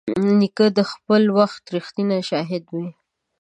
نیکه د خپل وخت رښتینی شاهد وي.